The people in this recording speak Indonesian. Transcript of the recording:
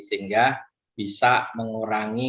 sehingga bisa mengurangi